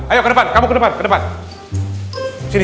ayo ke depan kamu ke depan ke depan